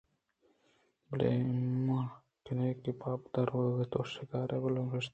بلے نَبا کن ئے کہ بابت ءِورگءَتو شکار ءِ ابیل ءَ ہم شُت ئے